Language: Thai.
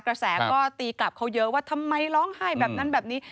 กระแสก็ตีกลับเขาเยอะว่าทำไมร้องไห้แบบนั้นแบบนี้